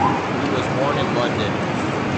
He was born in London.